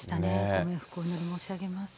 お祈り申し上げます。